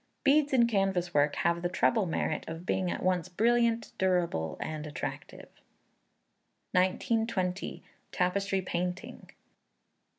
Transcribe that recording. Beads in canvas work have the treble merit of being at once brilliant, durable, and attractive. 1920. Tapestry Painting.